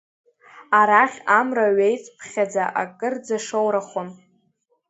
Арахь, Амра ҩеицԥхьаӡа, акырӡа шоурахон.